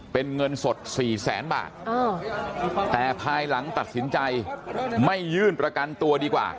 เป็นเงินสด๔แสนบาทแต่ภายหลังตัดสินใจไม่ยื่นประกันตัวดีกว่า